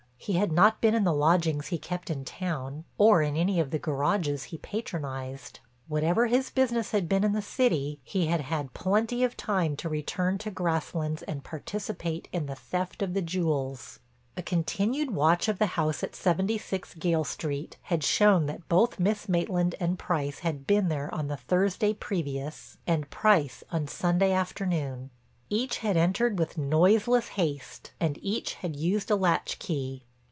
He had not been in the lodgings he kept in town or in any of the garages he patronized. Whatever his business had been in the city he had had plenty of time to return to Grasslands and participate in the theft of the jewels. A continued watch of the house at 76 Gayle Street had shown that both Miss Maitland and Price had been there on the Thursday previous and Price on Sunday afternoon. Each had entered with noiseless haste and each had used a latchkey.